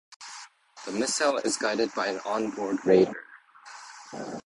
The missile is guided by an onboard radar.